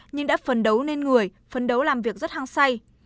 nhưng đã phần đấu nên người phấn đấu làm việc rất hăng say